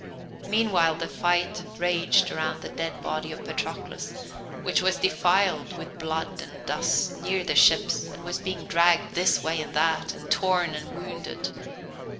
Meanwhile the fight raged round the dead body of Patroclus, which was defiled with blood and dust, near the ships, and was being dragged this way and that, and torn and wounded.